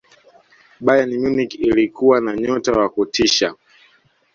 bayern munich ilikuwa na nyota wa kutisha